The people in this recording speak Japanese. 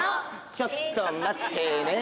ちょっと待ってねえ。